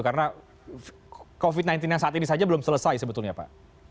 karena covid sembilan belas yang saat ini saja belum selesai sebetulnya pak